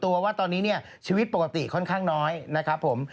เพราะว่าตอนนี้ชีวิตปกติค่อนข้างน้อยนะครับผม